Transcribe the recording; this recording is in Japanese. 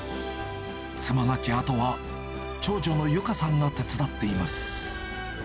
妻亡き後は、長女の由香さんが手伝っています。